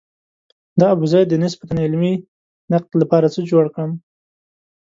د ابوزید د نسبتاً علمي نقد لپاره څه جوړ کړم.